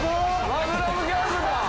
マグナムギャングだ。